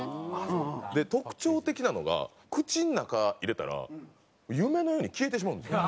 で特徴的なのが口の中入れたら夢のように消えてしまうんですよ。